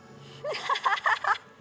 アハハハハ！